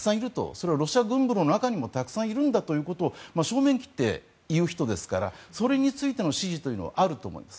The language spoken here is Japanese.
それはロシア軍部の中にもたくさんいるんだと正面切って言う人ですからそれについての支持というのはあると思います。